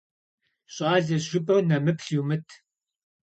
ЩӀалэщ жыпӀэу нэмыплъ йумыт.